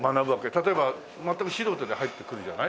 例えば全く素人で入ってくるじゃない？